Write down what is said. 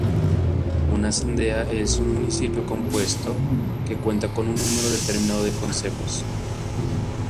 Una Cendea es un municipio compuesto, que cuenta con un número determinado de concejos.